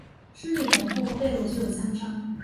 尸体头部和背部均有枪伤。